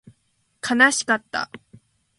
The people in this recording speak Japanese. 悲しかった